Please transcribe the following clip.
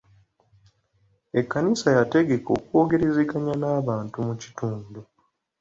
Ekkanisa yategeka okwogerezeganya n'abantu mu kitundu.